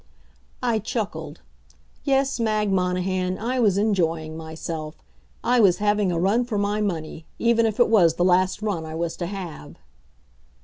I chuckled. Yes, Mag Monahan, I was enjoying myself. I was having a run for my money, even if it was the last run I was to have.